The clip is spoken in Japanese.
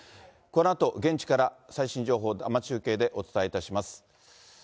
このあと、現地から最新情報、生中継でお伝えいたします。